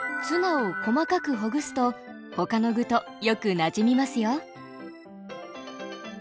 ツナを細かくほぐすと他の具とよくなじみますよ。